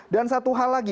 dan satu hal lagi